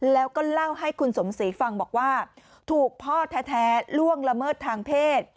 แล้วก็เล่าให้คุณสมศรีฟังบอกว่าถูกพ่อแท้ล่วงละเมิดทางเพศ